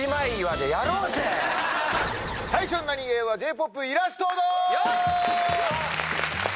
最初のナニゲーはＪ−ＰＯＰイラストドン！